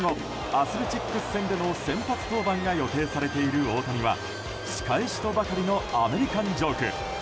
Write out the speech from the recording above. アスレチックス戦での先発登板が予定されている大谷は仕返しとばかりのアメリカンジョーク。